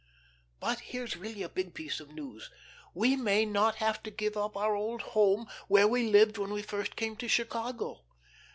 "'But here's really a big piece of news. We may not have to give up our old home where we lived when we first came to Chicago.